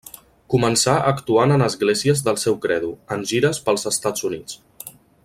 Començà actuant en esglésies del seu credo, en gires pels Estats Units.